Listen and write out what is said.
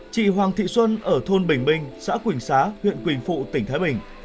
chị hoàng thị xuân ở thôn bình bình xã quỳnh xá huyện quỳnh phụ tỉnh thái bình